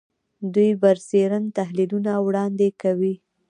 دوی برسېرن تحلیلونه وړاندې کوي